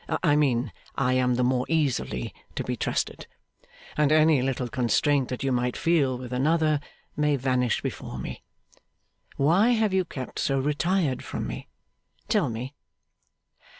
I mean, I am the more easily to be trusted; and any little constraint that you might feel with another, may vanish before me. Why have you kept so retired from me? Tell me.